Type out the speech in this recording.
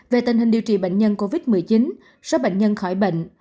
về tình hình điều trị bệnh nhân covid một mươi chín số bệnh nhân khỏi bệnh